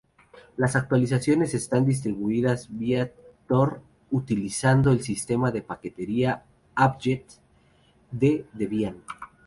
Las actualizaciones están distribuidas vía Tor utilizando el sistema de paquetería apt-get de Debian.